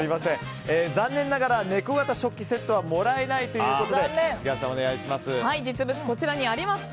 残念ながら、猫型食器セットはもらえないということで杉原さん、お願いします。